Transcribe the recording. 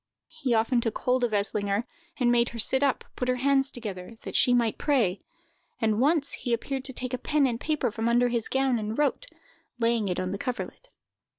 He often took hold of Eslinger, and made her sit up, put her hands together, that she might pray; and once he appeared to take a pen and paper from under his gown, and wrote, laying it on her coverled.